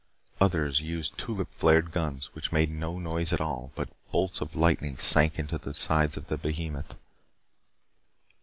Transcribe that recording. Others used the tulip flared guns, which made no noise at all, but bolts of lightning sank into the sides of the behemoth.